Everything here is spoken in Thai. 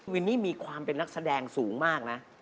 วินนี่มีความเป็นนักแสดงสูงมากนะ